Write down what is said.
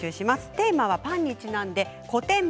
テーマはパンにちなんでこてん